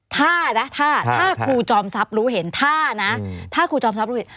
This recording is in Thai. ถ้านะถ้าครูจอมทรัพย์รู้เห็นถ้านะถ้าครูจอมทรัพย์รู้เห็น